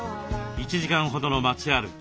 １時間ほどの街歩き。